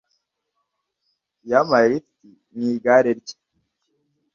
Yampaye lift mu igare rye